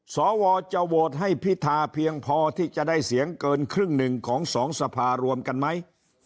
สวจะโหวตให้พิธาเพียงพอที่จะได้เสียงเกินครึ่งหนึ่งของสองสภารวมกันไหม